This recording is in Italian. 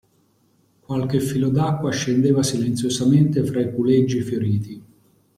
Qualche filo d'acqua scendeva silenziosamente fra i puleggi fioriti.